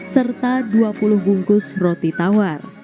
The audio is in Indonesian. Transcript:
serta dua puluh bungkus roti tawar